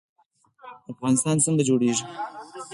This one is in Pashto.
افغانستان څنګه جوړیږي؟